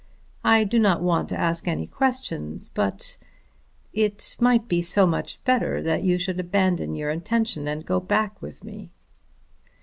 I do not want to ask any questions, but it might be so much better that you should abandon your intention, and go back with me."